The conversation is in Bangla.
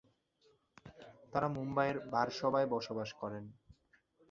তারা মুম্বইয়ের বারসবায় বসবাস করেন।